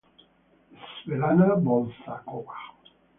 Svetlana Bol'šakova